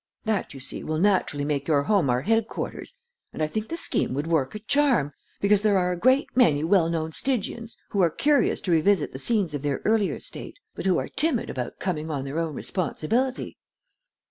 That, you see, will naturally make your home our headquarters, and I think the scheme would work a charm, because there are a great many well known Stygians who are curious to revisit the scenes of their earlier state, but who are timid about coming on their own responsibility."